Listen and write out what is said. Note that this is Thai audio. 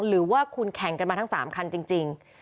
หรือว่าคุณแข่งกันมาทั้ง๓คันจริง